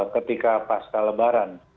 ketika pasca lebaran